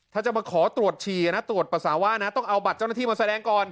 ถ้าจะมาขอตรวจฉี่นะตรวจปัสสาวะนะต้องเอาบัตรเจ้าหน้าที่มาแสดงก่อน